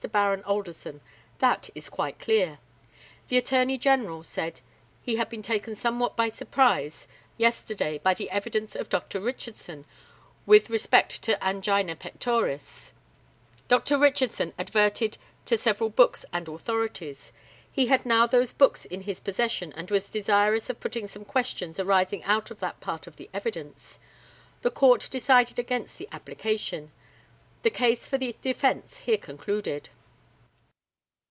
BARON ALDERSON: That is quite clear. The ATTORNEY GENERAL said he had been taken somewhat by surprise yesterday by the evidence of Dr. Richardson, with respect to angina pectoris. Dr. Richardson adverted to several books and authorities. He had now those books in his possession, and was desirous of putting some questions arising out of that part of the evidence. The Court decided against the application. The case for the defence here concluded.